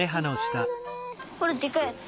これでかいやつ。